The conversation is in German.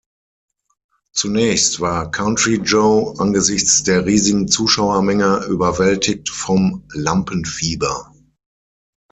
Zunächst war Country Joe angesichts der riesigen Zuschauermenge überwältigt vom Lampenfieber.